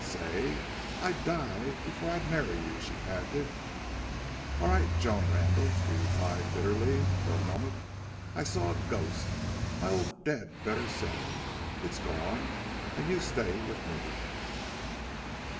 "Say? I'd die before I'd marry you!" she panted. "All right, Joan Randle," he replied, bitterly. "For a moment I saw a ghost. My old dead better self!... It's gone.... And you stay with me."